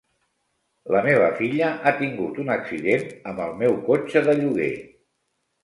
La meva filla ha tingut un accident amb el meu cotxe de lloguer.